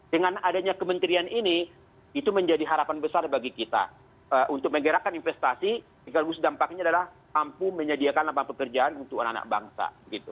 dengan adanya kementerian ini itu menjadi harapan besar bagi kita untuk menggerakkan investasi sekaligus dampaknya adalah mampu menyediakan lapangan pekerjaan untuk anak anak bangsa